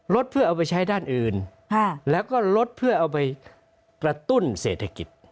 เพื่อเอาไปใช้ด้านอื่นแล้วก็ลดเพื่อเอาไปกระตุ้นเศรษฐกิจ